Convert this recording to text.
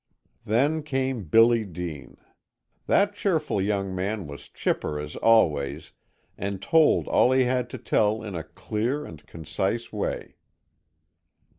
Then came Billy Dean. That cheerful young man was chipper as always and told all he had to tell in a clear and concise way.